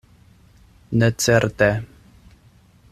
Ne certe.